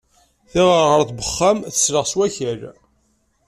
Tiɣerɣert n uxxam tesleɣ s wakal.